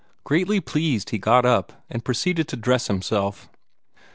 Greatly pleased, he got up, and proceeded to dress himself.